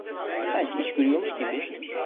Sanki iş görüyormuş gibi…